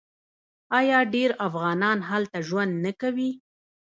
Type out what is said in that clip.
آیا ډیر افغانان هلته ژوند نه کوي؟